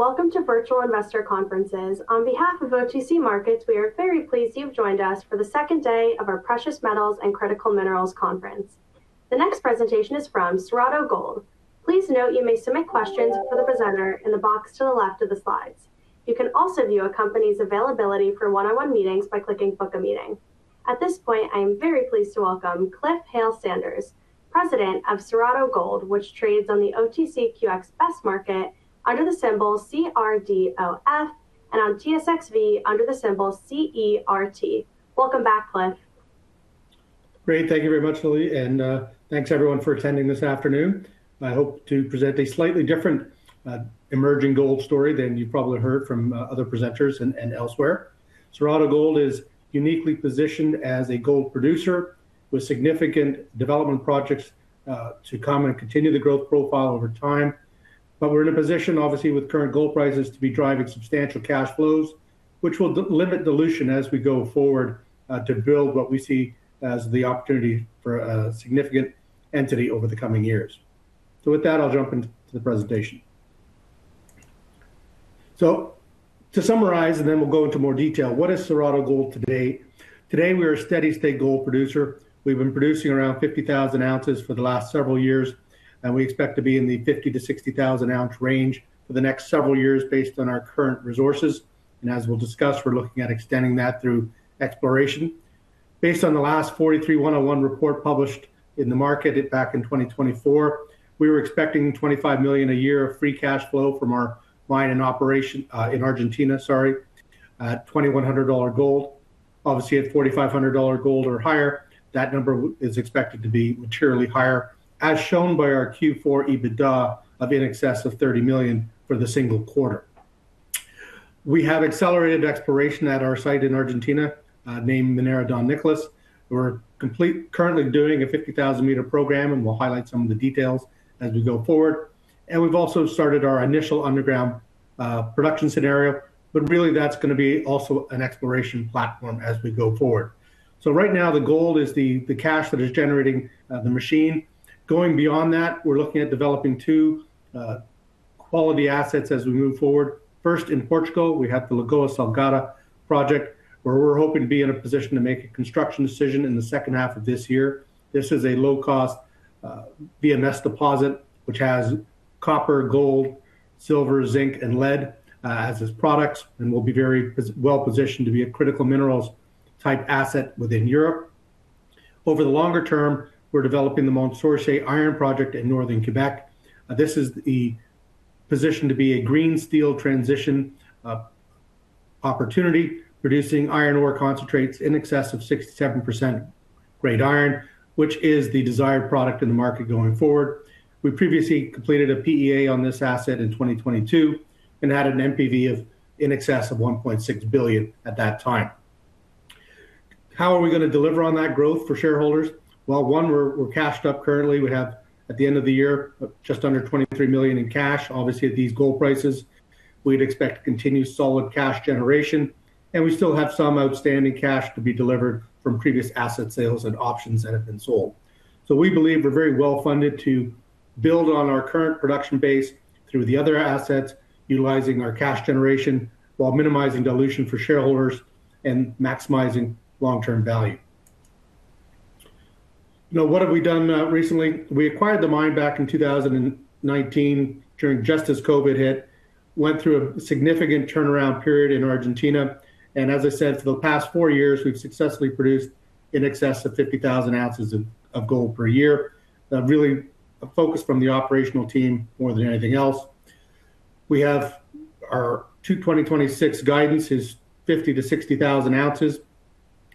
Welcome to Virtual Investor Conferences. On behalf of OTC Markets, we are very pleased you've joined us for the second day of our Precious Metals and Critical Minerals Conference. The next presentation is from Cerrado Gold. Please note you may submit questions for the presenter in the box to the left of the slides. You can also view a company's availability for one-on-one meetings by clicking Book a Meeting. At this point, I am very pleased to welcome Cliff Hale-Sanders, President of Cerrado Gold, which trades on the OTCQX Best Market under the symbol CRDOF and on TSXV under the symbol CERT. Welcome back, Cliff. Great. Thank you very much, Lily. Thanks everyone for attending this afternoon. I hope to present a slightly different, emerging gold story than you probably heard from other presenters and elsewhere. Cerrado Gold is uniquely positioned as a gold producer with significant development projects to come and continue the growth profile over time. We're in a position, obviously, with current gold prices to be driving substantial cash flows, which will limit dilution as we go forward, to build what we see as the opportunity for a significant entity over the coming years. With that, I'll jump into the presentation. To summarize, and then we'll go into more detail, what is Cerrado Gold today? Today, we're a steady-state gold producer. We've been producing around 50,000 oz for the last several years. We expect to be in the 50,000-60,000 oz range for the next several years based on our current resources. As we'll discuss, we're looking at extending that through exploration. Based on the last 43-101 report published in the market back in 2024, we were expecting 25 million a year of free cash flow from our mining operation in Argentina, sorry, at 2,100 dollar gold. Obviously, at 4,500 dollar gold or higher, that number is expected to be materially higher, as shown by our Q4 EBITDA of in excess of 30 million for the single quarter. We have accelerated exploration at our site in Argentina, named Minera Don Nicolás. We're currently doing a 50,000 m program. We'll highlight some of the details as we go forward. We've also started our initial underground production scenario. Really, that's gonna be also an exploration platform as we go forward. Right now, the gold is the cash that is generating the machine. Going beyond that, we're looking at developing two quality assets as we move forward. First, in Portugal, we have the Lagoa Salgada project, where we're hoping to be in a position to make a construction decision in the second half of this year. This is a low-cost VMS deposit, which has copper, gold, silver, zinc, and lead as its products and will be very well-positioned to be a critical minerals type asset within Europe. Over the longer term, we're developing the Mont Sorcier iron project in northern Quebec. This is the position to be a green steel transition opportunity, producing iron ore concentrates in excess of 6%-7% grade iron, which is the desired product in the market going forward. We previously completed a PEA on this asset in 2022 and had an NPV of in excess of 1.6 billion at that time. How are we gonna deliver on that growth for shareholders? Well, one, we're cashed up currently. We have, at the end of the year, just under 23 million in cash. Obviously, at these gold prices, we'd expect to continue solid cash generation, and we still have some outstanding cash to be delivered from previous asset sales and options that have been sold. We believe we're very well-funded to build on our current production base through the other assets, utilizing our cash generation while minimizing dilution for shareholders and maximizing long-term value. Now, what have we done recently? We acquired the mine back in 2019 during, just as COVID hit, went through a significant turnaround period in Argentina, and as I said, for the past four years, we've successfully produced in excess of 50,000 oz of gold per year. Really a focus from the operational team more than anything else. We have our 2026 guidance is 50,000-60,000 oz.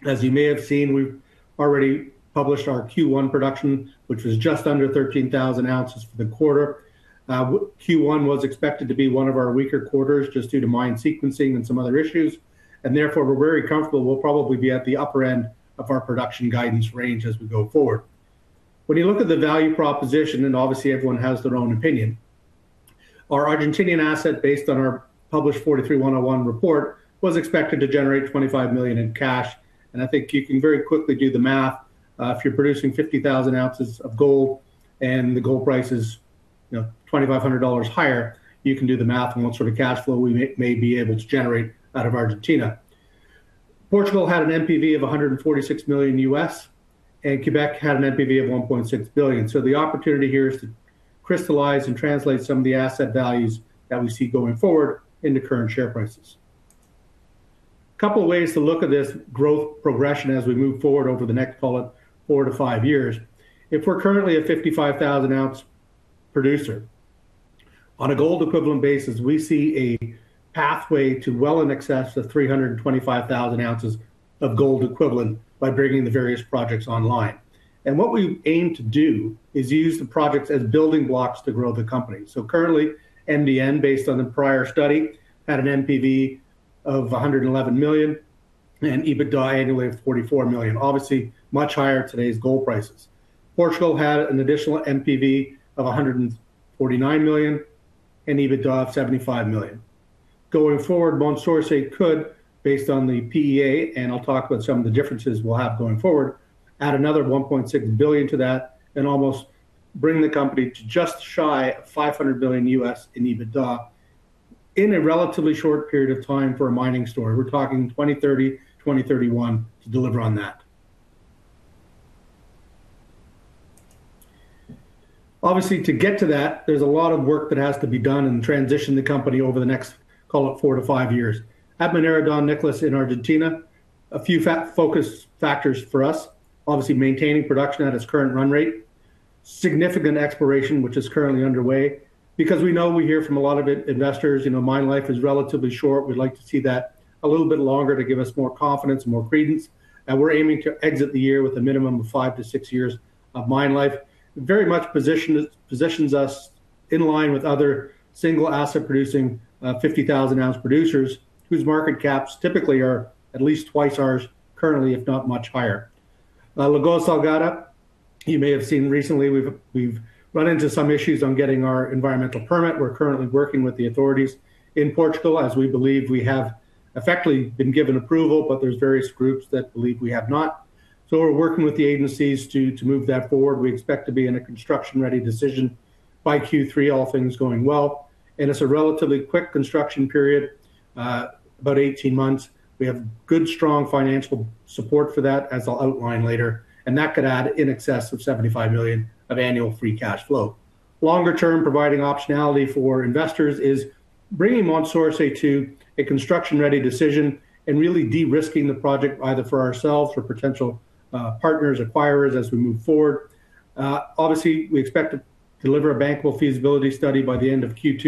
As you may have seen, we've already published our Q1 production, which was just under 13,000 oz for the quarter. Q1 was expected to be one of our weaker quarters just due to mine sequencing and some other issues, therefore, we're very comfortable we'll probably be at the upper end of our production guidance range as we go forward. When you look at the value proposition, obviously everyone has their own opinion, our Argentinian asset based on our published 43-101 report was expected to generate 25 million in cash. I think you can very quickly do the math. If you're producing 50,000 oz of gold and the gold price is, you know, 2,500 dollars higher, you can do the math on what sort of cash flow we may be able to generate out of Argentina. Portugal had an NPV of $146 million, Quebec had an NPV of 1.6 billion. The opportunity here is to crystallize and translate some of the asset values that we see going forward into current share prices. A couple of ways to look at this growth progression as we move forward over the next, call it, four to five years. If we're currently a 55,000 oz producer, on a gold equivalent basis, we see a pathway to well in excess of 325,000 oz of gold equivalent by bringing the various projects online. What we aim to do is use the projects as building blocks to grow the company. Currently, MDN, based on the prior study, had an NPV of 111 million and EBITDA annually of 44 million, obviously much higher at today's gold prices. Portugal had an additional NPV of 149 million and EBITDA of 75 million. Going forward, Mont Sorcier could, based on the PEA, and I'll talk about some of the differences we'll have going forward, add another 1.6 billion to that and almost bring the company to just shy of $500 billion in EBITDA in a relatively short period of time for a mining story. We're talking 2030, 2031 to deliver on that. Obviously, to get to that, there's a lot of work that has to be done and transition the company over the next, call it, four to five years. At Minera Don Nicolás in Argentina, a few focus factors for us, obviously maintaining production at its current run rate, significant exploration, which is currently underway. We know we hear from a lot of investors, you know, mine life is relatively short. We'd like to see that a little bit longer to give us more confidence, more credence, and we're aiming to exit the year with a minimum of five to six years of mine life. Positions us in line with other single asset producing 50,000 oz producers whose market caps typically are at least twice ours currently, if not much higher. Lagoa Salgada, you may have seen recently, we've run into some issues on getting our environmental permit. We're currently working with the authorities in Portugal as we believe we have effectively been given approval, but there's various groups that believe we have not. We're working with the agencies to move that forward. We expect to be in a construction-ready decision by Q3, all things going well, and it's a relatively quick construction period, about 18 months. We have good, strong financial support for that as I'll outline later, and that could add in excess of 75 million of annual free cash flow. Longer term, providing optionality for investors is bringing Mont Sorcier to a construction-ready decision and really de-risking the project either for ourselves or potential partners, acquirers as we move forward. Obviously, we expect to deliver a bankable feasibility study by the end of Q2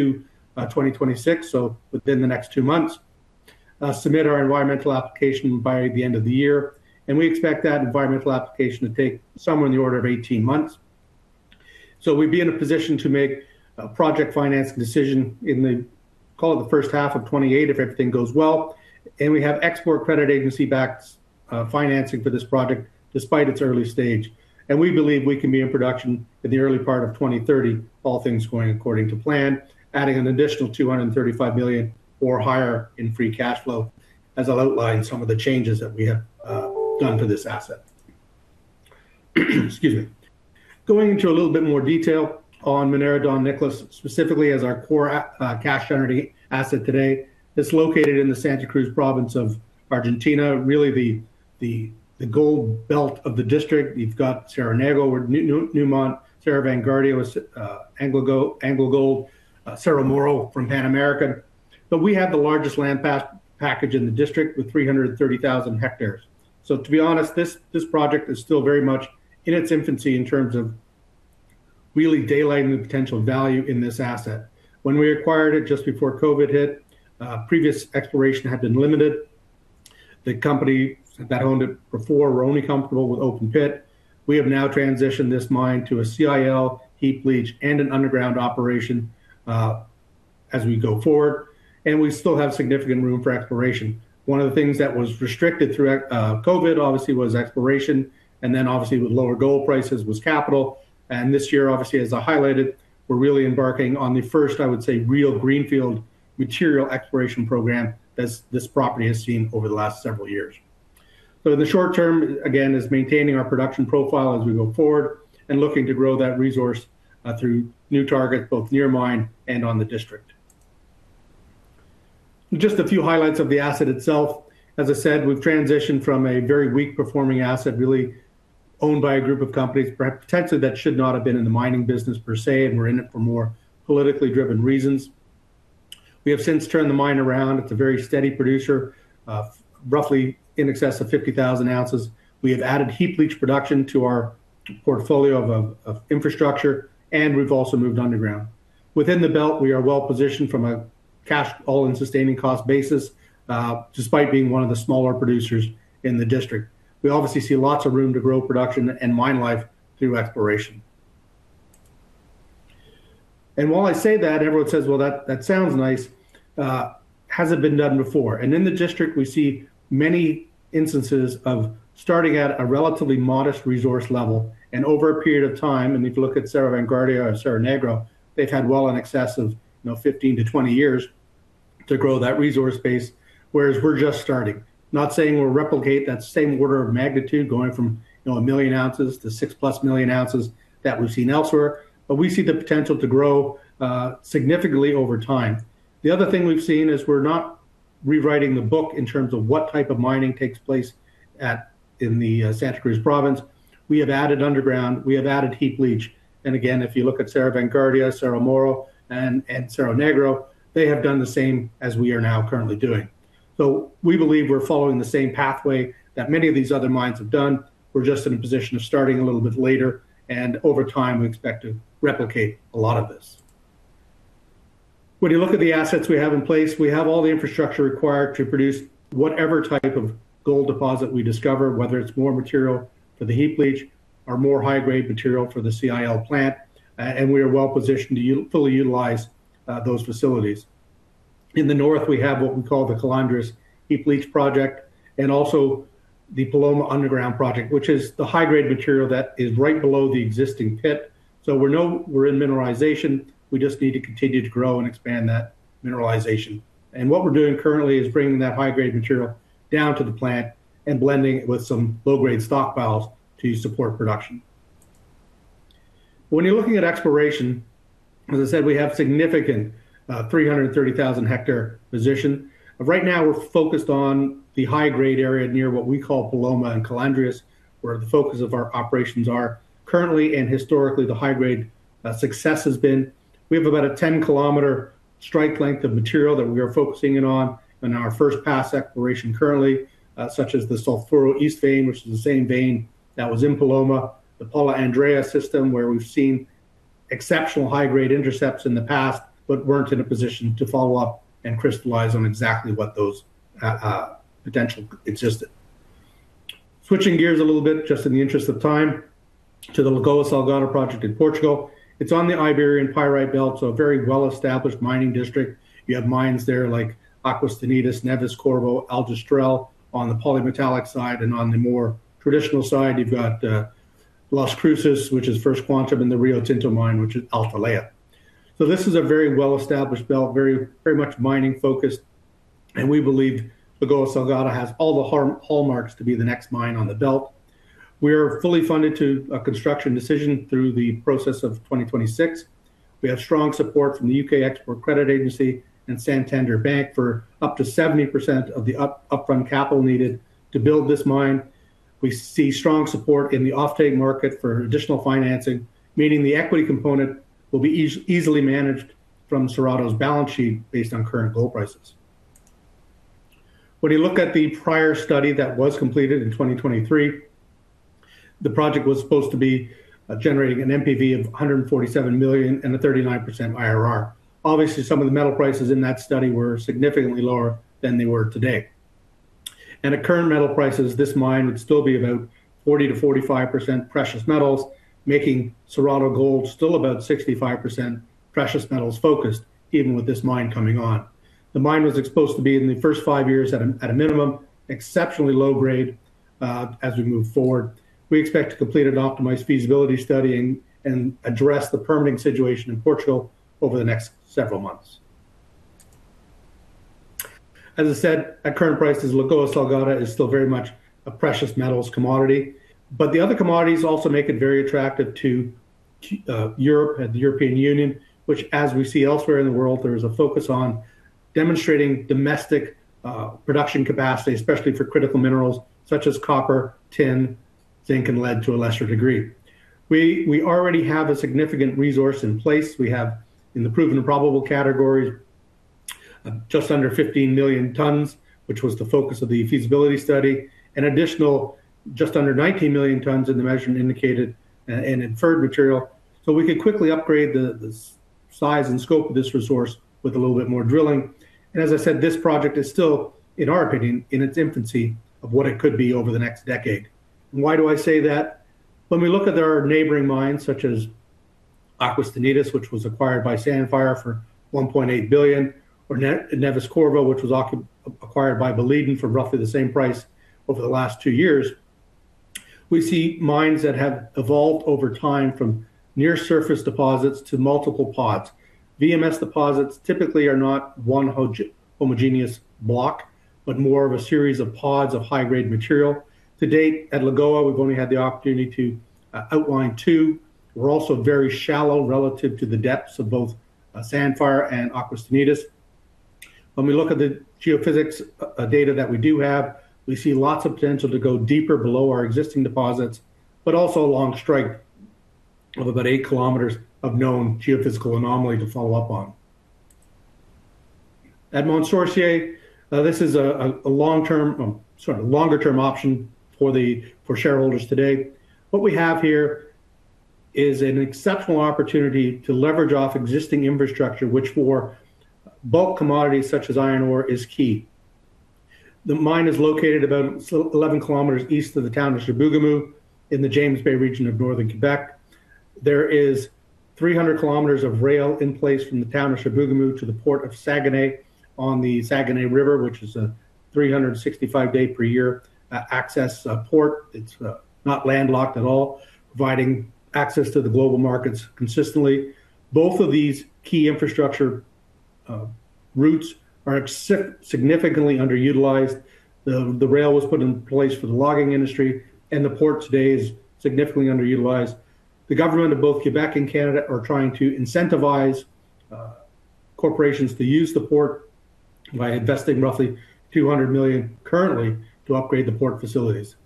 2026, so within the next two months, submit our environmental application by the end of the year. We expect that environmental application to take somewhere in the order of 18 months. We'd be in a position to make a project financing decision in the, call it the first half of 2028 if everything goes well. We have export credit agency-backed financing for this project despite its early stage. We believe we can be in production in the early part of 2030, all things going according to plan, adding an additional 235 million or higher in free cash flow, as I'll outline some of the changes that we have done for this asset. Excuse me. Going into a little bit more detail on Minera Don Nicolás, specifically as our core cash generating asset today. It's located in the Santa Cruz province of Argentina, really the gold belt of the district. You've got Cerro Negro or Newmont, Cerro Vanguardia, AngloGold, Cerro Moro from Pan American. We have the largest land package in the district with 330,000 hectares. To be honest, this project is still very much in its infancy in terms of really daylightening the potential value in this asset. When we acquired it just before COVID hit, previous exploration had been limited. The company that owned it before were only comfortable with open pit. We have now transitioned this mine to a CIL heap leach and an underground operation as we go forward. We still have significant room for exploration. One of the things that was restricted throughout COVID obviously was exploration, then obviously with lower gold prices was capital. This year, obviously, as I highlighted, we're really embarking on the first, I would say, real greenfield material exploration program as this property has seen over the last several years. The short term, again, is maintaining our production profile as we go forward and looking to grow that resource through new targets, both near mine and on the district. Just a few highlights of the asset itself. As I said, we've transitioned from a very weak performing asset, really owned by a group of companies potentially that should not have been in the mining business per se, and were in it for more politically driven reasons. We have since turned the mine around. It's a very steady producer, roughly in excess of 50,000 oz. We have added heap leach production to our portfolio of infrastructure, and we've also moved underground. Within the belt, we are well-positioned from a cash all-in sustaining cost basis, despite being one of the smaller producers in the district. We obviously see lots of room to grow production and mine life through exploration. While I say that, everyone says, "Well, that sounds nice." Has it been done before? In the district, we see many instances of starting at a relatively modest resource level, and over a period of time, and if you look at Cerro Vanguardia or Cerro Negro, they've had well in excess of, you know, 15-20 years to grow that resource base, whereas we're just starting. Not saying we'll replicate that same order of magnitude going from, you know, 1 million oz to 6+ million oz that we've seen elsewhere, but we see the potential to grow significantly over time. The other thing we've seen is we're not rewriting the book in terms of what type of mining takes place at, in the Santa Cruz province. We have added underground, we have added heap leach. Again, if you look at Cerro Vanguardia, Cerro Moro, and Cerro Negro, they have done the same as we are now currently doing. We believe we're following the same pathway that many of these other mines have done. We're just in a position of starting a little bit later, and over time, we expect to replicate a lot of this. When you look at the assets we have in place, we have all the infrastructure required to produce whatever type of gold deposit we discover, whether it's more material for the heap leach or more high-grade material for the CIL plant, and we are well-positioned to fully utilize those facilities. In the north, we have what we call the Las Calandrias Heap Leach Project, and also the Paloma Underground Project, which is the high-grade material that is right below the existing pit. We know we're in mineralization, we just need to continue to grow and expand that mineralization. What we're doing currently is bringing that high-grade material down to the plant and blending it with some low-grade stockpiles to support production. When you're looking at exploration, as I said, we have significant 330,000 hectare position. Right now we're focused on the high-grade area near what we call Paloma and Las Calandrias, where the focus of our operations are currently and historically the high-grade success has been. We have about a 10 km strike length of material that we are focusing in on in our first pass exploration currently, such as the Sulfuro East vein, which is the same vein that was in Paloma, the Paula Andrea system, where we've seen exceptional high-grade intercepts in the past, but weren't in a position to follow up and crystallize on exactly what those potential existed. Switching gears a little bit, just in the interest of time, to the Lagoa Salgada project in Portugal. It's on the Iberian Pyrite Belt, so a very well-established mining district. You have mines there like Aguas Teñidas, Neves-Corvo, Aljustrel on the polymetallic side. On the more traditional side, you've got Las Cruces, which is First Quantum, and the Riotinto mine, which is Atalaya. This is a very well-established belt, very much mining-focused, and we believe Lagoa Salgada has all the hallmarks to be the next mine on the belt. We're fully funded to a construction decision through the process of 2026. We have strong support from the U.K. Export Finance and Santander Bank for up to 70% of the upfront capital needed to build this mine. We see strong support in the offtake market for additional financing, meaning the equity component will be easily managed from Cerrado's balance sheet based on current gold prices. When you look at the prior study that was completed in 2023, the project was supposed to be generating an NPV of 147 million and a 39% IRR. Obviously, some of the metal prices in that study were significantly lower than they were today. At current metal prices, this mine would still be about 40%-45% precious metals, making Cerrado Gold still about 65% precious metals focused even with this mine coming on. The mine was exposed to be in the first five years at a minimum, exceptionally low grade as we move forward. We expect to complete an optimized feasibility study and address the permitting situation in Portugal over the next several months. As I said, at current prices, Lagoa Salgada is still very much a precious metals commodity. The other commodities also make it very attractive to Europe and the European Union, which, as we see elsewhere in the world, there is a focus on demonstrating domestic production capacity, especially for critical minerals such as copper, tin, zinc, and lead to a lesser degree. We already have a significant resource in place. We have, in the proven and probable categories, just under 15 million tons, which was the focus of the feasibility study. An additional just under 19 million tons in the measured and indicated and inferred material. We could quickly upgrade the size and scope of this resource with a little bit more drilling. As I said, this project is still, in our opinion, in its infancy of what it could be over the next decade. Why do I say that? When we look at our neighboring mines, such as Aguas Teñidas, which was acquired by Sandfire for $1.8 billion, or Neves-Corvo, which was acquired by Boliden for roughly the same price over the last two years, we see mines that have evolved over time from near surface deposits to multiple pods. VMS deposits typically are not 1 homogeneous block, but more of a series of pods of high-grade material. To date, at Lagoa, we've only had the opportunity to outline two. We're also very shallow relative to the depths of both Sandfire and Aguas Teñidas. When we look at the geophysics data that we do have, we see lots of potential to go deeper below our existing deposits, but also a long strike of about 8 km of known geophysical anomaly to follow up on. At Mont Sorcier, this is a long-term, sorry, longer-term option for shareholders today. What we have here is an exceptional opportunity to leverage off existing infrastructure, which for bulk commodities such as iron ore is key. The mine is located about 11 km east of the town of Chibougamau in the James Bay region of northern Quebec. There is 300 km of rail in place from the town of Chibougamau to the port of Saguenay on the Saguenay River, which is a 365 day per year access port. It's not landlocked at all, providing access to the global markets consistently. Both of these key infrastructure routes are significantly underutilized. The rail was put in place for the logging industry. The port today is significantly underutilized. The government of both Quebec and Canada are trying to incentivize corporations to use the port by investing roughly 200 million currently to upgrade the port facilities.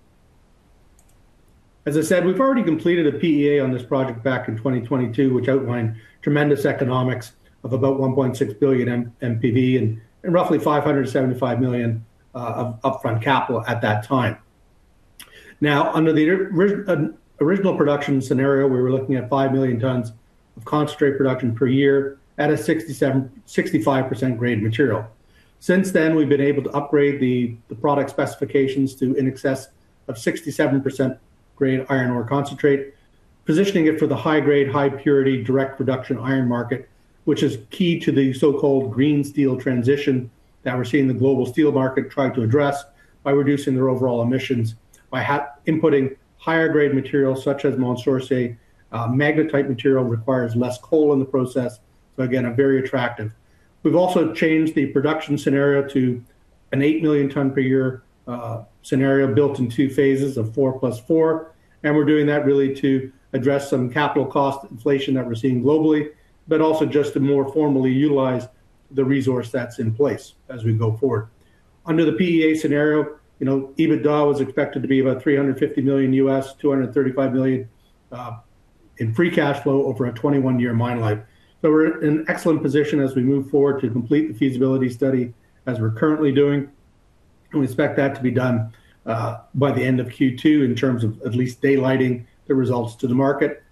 As I said, we've already completed a PEA on this project back in 2022, which outlined tremendous economics of about 1.6 billion NPV and roughly 575 million upfront capital at that time. Now, under the original production scenario, we were looking at 5 million tons of concentrate production per year at a 65% grade material. Since then, we've been able to upgrade the product specifications to in excess of 67% grade iron ore concentrate. Positioning it for the high-grade, high-purity direct reduction iron market, which is key to the so-called green steel transition that we're seeing the global steel market trying to address by reducing their overall emissions by inputting higher grade materials such as Mont Sorcier. Magnetite material requires less coal in the process. We've also changed the production scenario to an 8 million ton per year scenario built in two phases four plus four. We're doing that really to address some capital cost inflation that we're seeing globally, also just to more formally utilize the resource that's in place as we go forward. Under the PEA scenario, you know, EBITDA was expected to be about $350 million, $235 million in free cash flow over a 21-year mine life. We're in an excellent position as we move forward to complete the feasibility study as we're currently doing. We expect that to be done by the end of Q2 in terms of at least day-lighting the results to the market.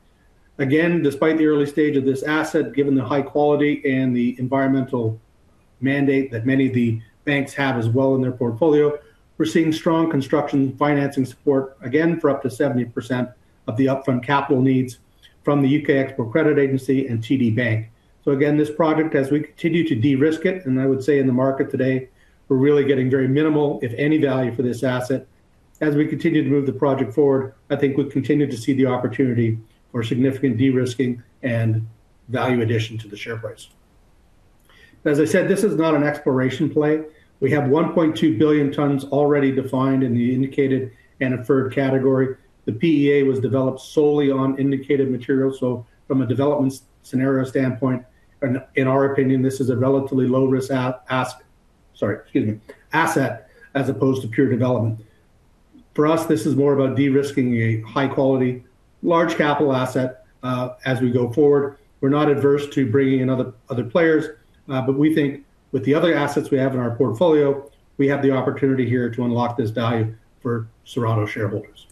Again, despite the early stage of this asset, given the high quality and the environmental mandate that many of the banks have as well in their portfolio, we're seeing strong construction financing support again for up to 70% of the upfront capital needs from the U.K. Export Credit Agency and TD Bank. Again, this project, as we continue to de-risk it, and I would say in the market today, we're really getting very minimal, if any value for this asset. As we continue to move the project forward, I think we continue to see the opportunity for significant de-risking and value addition to the share price. As I said, this is not an exploration play. We have 1.2 billion tons already defined in the indicated and inferred category. The PEA was developed solely on indicated material, so from a development scenario standpoint, in our opinion, this is a relatively low risk asset as opposed to pure development. For us, this is more about de-risking a high quality, large capital asset as we go forward. We're not adverse to bringing in other players, we think with the other assets we have in our portfolio, we have the opportunity here to unlock this value for Cerrado shareholders.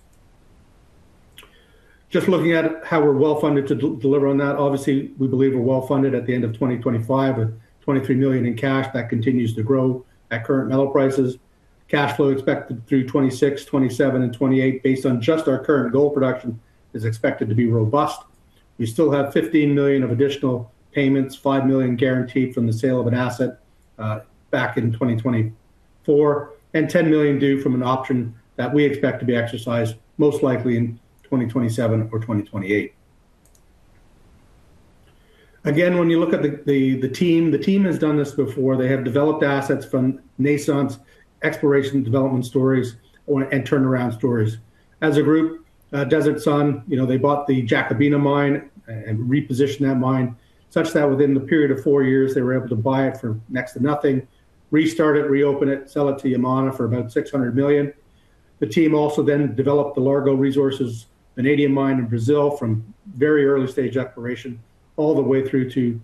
Just looking at how we're well-funded to deliver on that. Obviously, we believe we're well-funded at the end of 2025 with 23 million in cash that continues to grow at current metal prices. Cash flow expected through 2026, 2027, and 2028 based on just our current gold production is expected to be robust. We still have 15 million of additional payments, 5 million guaranteed from the sale of an asset back in 2024, and 10 million due from an option that we expect to be exercised most likely in 2027 or 2028. Again, when you look at the team, the team has done this before. They have developed assets from nascent exploration development stories or and turnaround stories. As a group, you know, Desert Sun, they bought the Jacobina mine and repositioned that mine such that within the period of four years, they were able to buy it for next to nothing, restart it, reopen it, sell it to Yamana for about 600 million. The team also developed the Largo Resources, Vanadium mine in Brazil from very early stage exploration all the way through to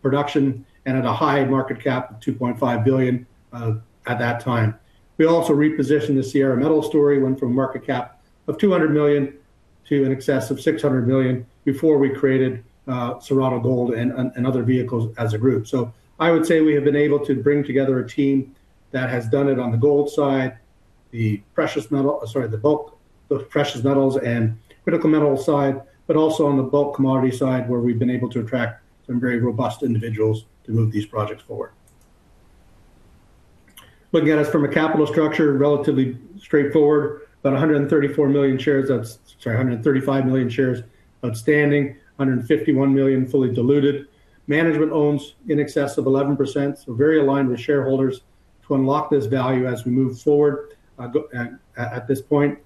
production and at a high market cap of 2.5 billion at that time. We also repositioned the Sierra Metals story, went from market cap of 200 million to in excess of 600 million before we created Cerrado Gold and other vehicles as a group. I would say we have been able to bring together a team that has done it on the gold side, the precious metals and critical metal side, but also on the bulk commodity side, where we've been able to attract some very robust individuals to move these projects forward. Looking at us from a capital structure, relatively straightforward, about 135 million shares outstanding, 151 million fully diluted. Management owns in excess of 11%, very aligned with shareholders to unlock this value as we move forward. At this point,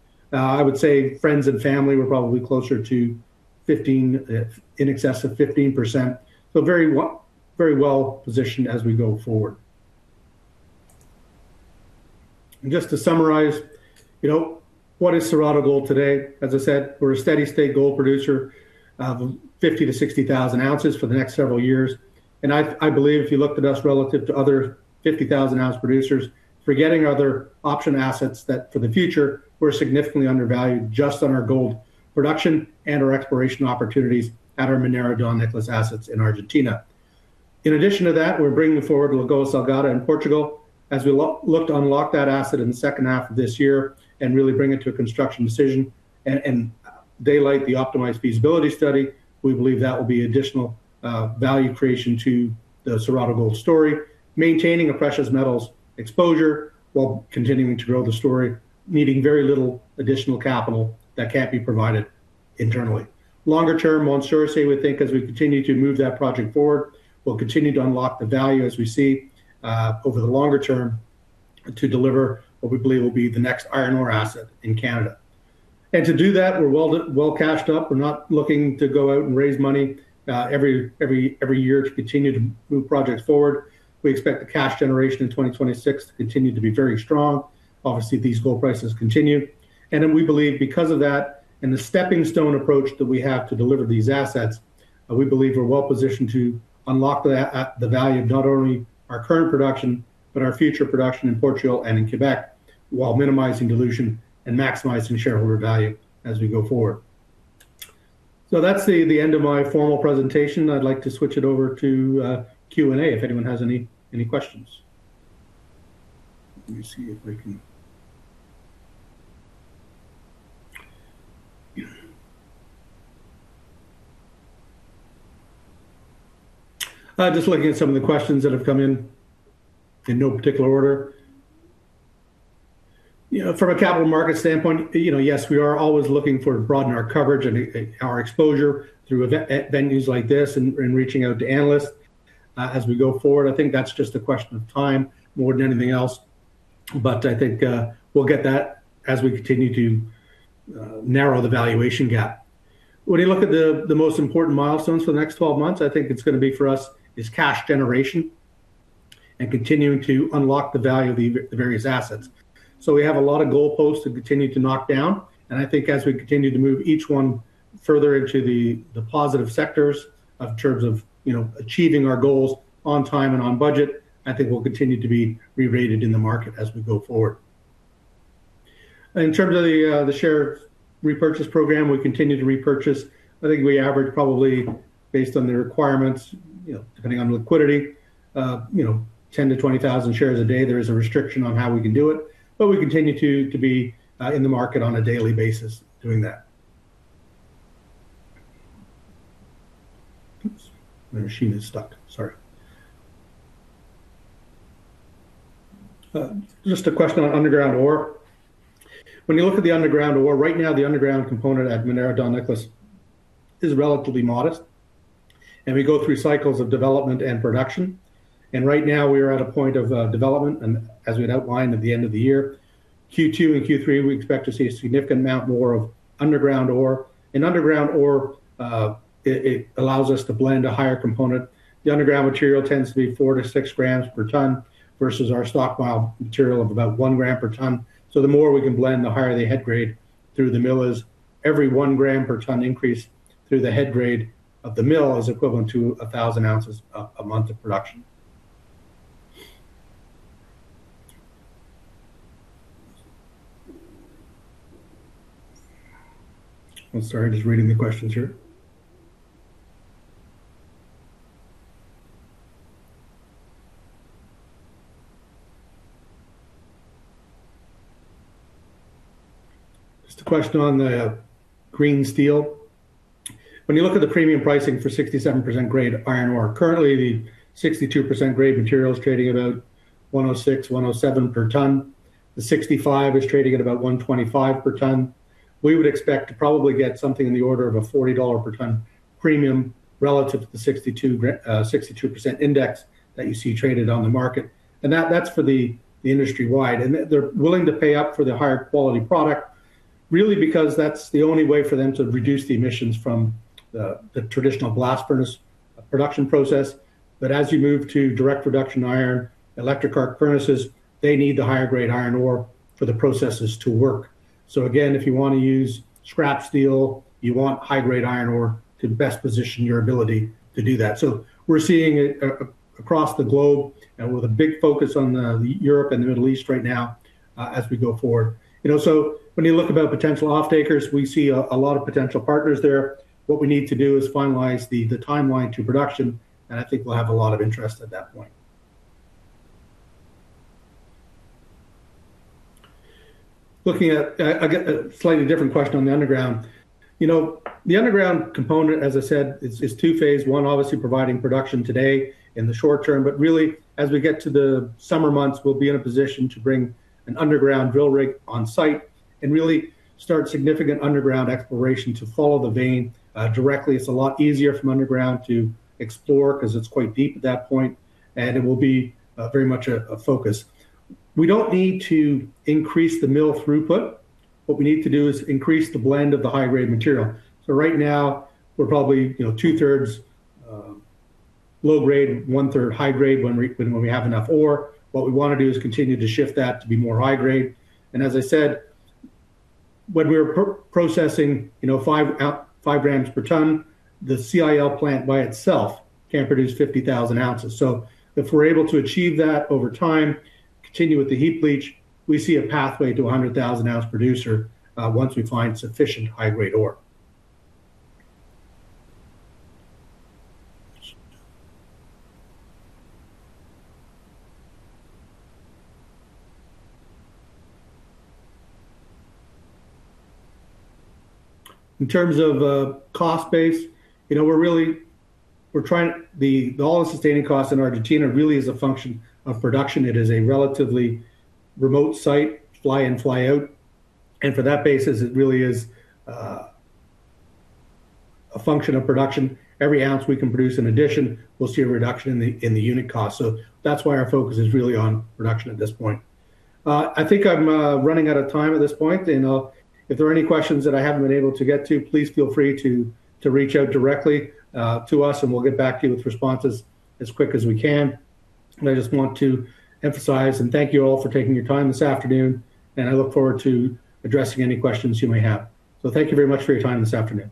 I would say friends and family, we're probably closer to 15, if in excess of 15%. Very well-positioned as we go forward. Just to summarize, you know, what is Cerrado Gold today? As I said, we're a steady state gold producer of 50,000-60,000 oz for the next several years. I believe if you looked at us relative to other 50,000 oz producers, forgetting other option assets that for the future were significantly undervalued just on our gold production and our exploration opportunities at our Minera Don Nicolás assets in Argentina. In addition to that, we're bringing forward Lagoa Salgada in Portugal as we look to unlock that asset in the second half of this year and really bring it to a construction decision and daylight the optimized feasibility study. We believe that will be additional value creation to the Cerrado Gold story, maintaining a precious metals exposure while continuing to grow the story, needing very little additional capital that can't be provided internally. Longer term, Mont Sorcier, we think as we continue to move that project forward, we'll continue to unlock the value as we see over the longer term to deliver what we believe will be the next iron ore asset in Canada. To do that, we're well cashed up. We're not looking to go out and raise money every year to continue to move projects forward. We expect the cash generation in 2026 to continue to be very strong. Obviously, these gold prices continue. We believe because of that and the stepping stone approach that we have to deliver these assets, we believe we're well-positioned to unlock the value of not only our current production, but our future production in Portugal and in Quebec, while minimizing dilution and maximizing shareholder value as we go forward. That's the end of my formal presentation. I'd like to switch it over to Q&A if anyone has any questions. Let me see if I can. Just looking at some of the questions that have come in no particular order. You know, from a capital market standpoint, you know, yes, we are always looking for to broaden our coverage and our exposure through venues like this and reaching out to analysts as we go forward. I think that's just a question of time more than anything else. I think we'll get that as we continue to narrow the valuation gap. When you look at the most important milestones for the next 12 months, I think it's going to be for us is cash generation and continuing to unlock the value of the various assets. We have a lot of goalposts to continue to knock down, and I think as we continue to move each one further into the positive sectors of, in terms of, you know, achieving our goals on time and on budget, I think we'll continue to be re-rated in the market as we go forward. In terms of the share repurchase program, we continue to repurchase. I think we average probably, based on the requirements, you know, depending on liquidity, you know, 10 to 20,000 shares a day. There is a restriction on how we can do it, but we continue to be in the market on a daily basis doing that. Oops. My machine is stuck, sorry. Just a question on underground ore. When you look at the underground ore, right now, the underground component at Minera Don Nicolás is relatively modest. We go through cycles of development and production. Right now we are at a point of development and as we'd outlined at the end of the year, Q2 and Q3, we expect to see a significant amount more of underground ore. Underground ore, it allows us to blend a higher component. The underground material tends to be 4-6 g per tonne versus our stockpile material of about 1 g per tonne. The more we can blend, the higher the head grade through the mill is. Every 1 g per tonne increase through the head grade of the mill is equivalent to 1,000 oz a month of production. I'm sorry, just reading the questions here. Just a question on the green steel. When you look at the premium pricing for 67% grade iron ore, currently the 62% grade material is trading about $106, $107 per tonne. The 65% is trading at about $125 per tonne. We would expect to probably get something in the order of a $40 per tonne premium relative to the 62% index that you see traded on the market. That's for the industry-wide. They're willing to pay up for the higher quality product really because that's the only way for them to reduce the emissions from the traditional blast furnace production process. As you move to direct reduction iron, electric arc furnaces, they need the higher grade iron ore for the processes to work. Again, if you wanna use scrap steel, you want high grade iron ore to best position your ability to do that. We're seeing it across the globe, with a big focus on the Europe and the Middle East right now, as we go forward. You know, when you look about potential off-takers, we see a lot of potential partners there. What we need to do is finalize the timeline to production, and I think we'll have a lot of interest at that point. Looking at, I get a slightly different question on the underground. You know, the underground component, as I said, is two-phase. One, obviously providing production today in the short term, but really as we get to the summer months, we'll be in a position to bring an underground drill rig on site and really start significant underground exploration to follow the vein directly. It's a lot easier from underground to explore 'cause it's quite deep at that point, and it will be very much a focus. We don't need to increase the mill throughput. What we need to do is increase the blend of the high grade material. Right now we're probably, you know, two-thirds low grade and one-third high grade when we have enough ore. What we wanna do is continue to shift that to be more high grade. As I said, when we're processing, you know, 5 g per ton, the CIL plant by itself can produce 50,000 oz. If we're able to achieve that over time, continue with the heap leach, we see a pathway to 100,000 oz producer once we find sufficient high grade ore. In terms of cost base, you know, the all-in sustaining cost in Argentina really is a function of production. It is a relatively remote site, fly in, fly out. For that basis, it really is a function of production. Every oz we can produce in addition, we'll see a reduction in the unit cost. That's why our focus is really on production at this point. I think I'm running out of time at this point. You know, if there are any questions that I haven't been able to get to, please feel free to reach out directly to us, and we'll get back to you with responses as quick as we can. I just want to emphasize and thank you all for taking your time this afternoon, and I look forward to addressing any questions you may have. Thank you very much for your time this afternoon.